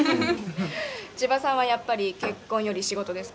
千葉さんはやっぱり結婚より仕事ですか？